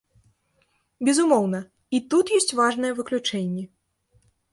Безумоўна, і тут ёсць важныя выключэнні.